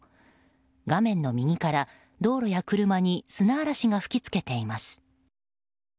画面の右から道路や車に砂嵐が吹き付けています。